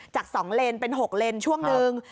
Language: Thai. จาก๒เลนเป็น๖เลนช่วงหนึ่ง